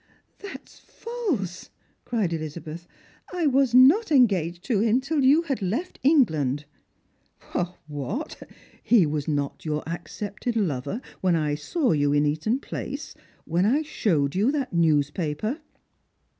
" That is false !" cried Elizabeth. " I was not engaged to him till you had left England." " What, he was not your accepted lover when I saw you in Eaton place — when I showed you that newspaper?"